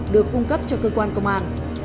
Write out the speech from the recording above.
được cung cấp cho cơ quan công an